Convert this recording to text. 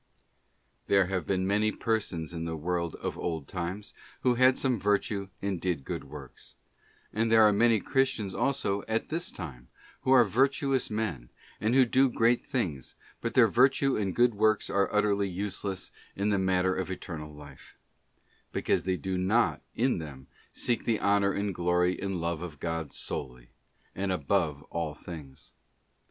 * There have been many persons in the world of old times who had some virtue and did good works ; and there are many Christians also at this time, who are virtuous men, and who do great things, but their virtue and good works are utterly useless in the matter of eternal life: because they do not, in them, seek the honour and glory and love of God solely, and above all things.